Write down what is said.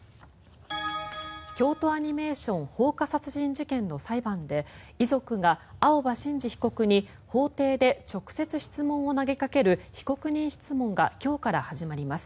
京都アニメーション放火殺人事件の裁判で遺族が青葉真司被告に法廷で直接質問を投げかける被告人質問が今日から始まります。